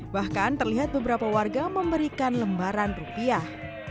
bahkan terlihat beberapa warga memberikan lembaran rupiah